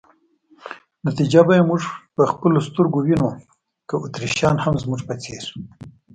نتیجه به یې موږ په خپلو سترګو وینو، که اتریشیان هم زموږ په څېر.